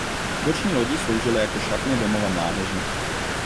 Boční lodi sloužily jako šatny domova mládeže.